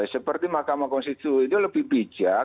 seperti mahkamah konstitusi itu lebih bijak